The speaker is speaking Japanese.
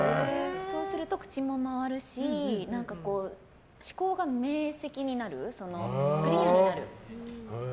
そうすると、口も回るし思考が明晰になる、クリアになる。